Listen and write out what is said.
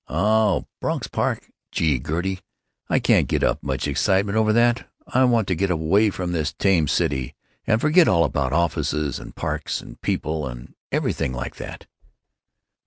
"Oh—Bronx Park—gee! Gertie, I can't get up much excitement over that. I want to get away from this tame city, and forget all about offices and parks and people and everything like that."